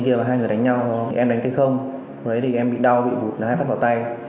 không rồi đấy thì em bị đau bị vụt đá hai phát vào tay